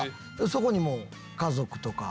そこにもう家族とか。